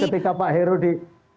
jadi ketika pak heru di